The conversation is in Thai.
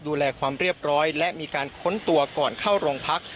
ดูแลความเรียบร้อยและมีการค้นตัวก่อนเข้าโรงพัก